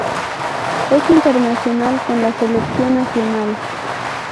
Es internacional con la Selección nacional.